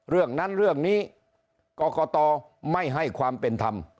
เรื่องนั้นเรื่องนี้กรกตไม่ให้ความเป็นธรรม